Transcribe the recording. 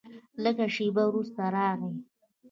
لږ شېبه وروسته راغی.